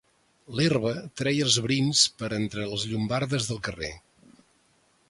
L'herba treia els brins per entre les llombardes del carrer.